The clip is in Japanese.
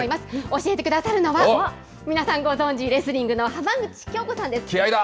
教えてくださるのは、皆さんご存じ、レスリングの浜口京子さんで気合だ！